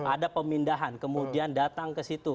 ada pemindahan kemudian datang ke situ